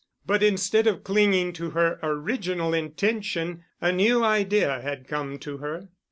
But instead of clinging to her original intention, a new idea had come to her.